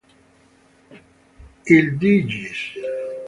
Il D. lgs.